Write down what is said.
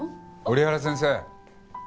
折原先生。